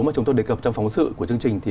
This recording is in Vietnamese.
mà chúng tôi đề cập trong phóng sự của chương trình